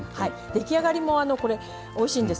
出来上がりもおいしいんです。